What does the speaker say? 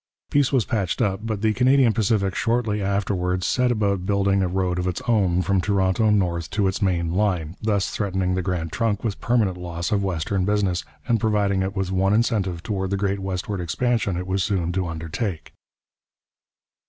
Peace was patched up, but the Canadian Pacific shortly afterwards set about building a road of its own from Toronto north to its main line, thus threatening the Grand Trunk with permanent loss of western business, and providing it with one incentive toward the great westward expansion it was soon to undertake.